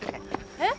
えっ？